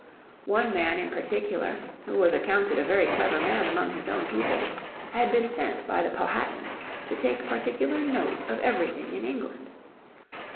One man in particular, who was accounted a very clever man among his own people, had been sent by the Powhatan to take particular note of everything in England.